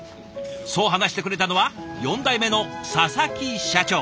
そう話してくれたのは４代目の佐々木社長。